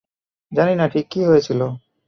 জানি না ঠিক কী হয়েছিল।